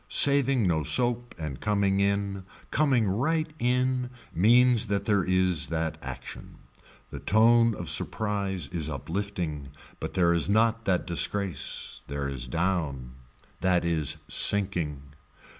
Saving no soap and coming in, coming right in means that there is that action. The tone of surprise is uplifting but there is not that disgrace, there is down, that is sinking.